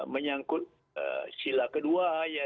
menyangkut sila kedua ya